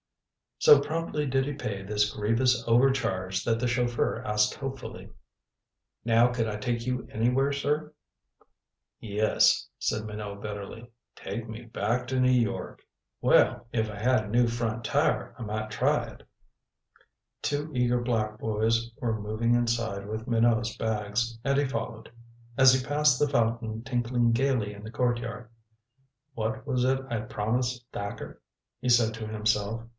So promptly did he pay this grievous overcharge that the chauffeur asked hopefully: "Now could I take you anywhere, sir?" "Yes," said Minot bitterly. "Take me back to New York." "Well if I had a new front tire I might try it." Two eager black boys were moving inside with Minot's bags, and he followed. As he passed the fountain tinkling gaily in the courtyard: "What was it I promised Thacker?" he said to himself.